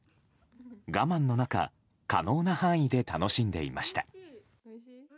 我慢の中可能な範囲で楽しんでいました。